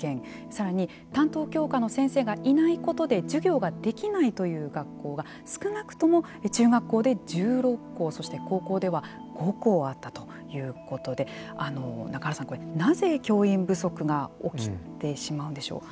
さらに担当教科の先生がいないことで授業ができないという学校が少なくとも中学校で１６校そして高校では５校あったということで中原さんなぜ教員不足が起きてしまうんでしょう？